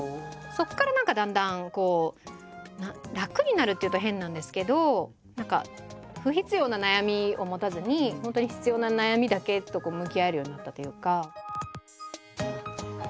そこから何かだんだんこう楽になるっていうと変なんですけど何か不必要な悩みを持たずに本当に必要な悩みだけと向き合えるようになったというか。